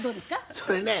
それね